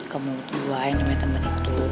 kalo mau duain sama temen itu